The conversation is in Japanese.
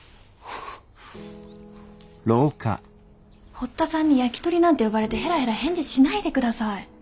堀田さんにヤキトリなんて呼ばれてヘラヘラ返事しないでください。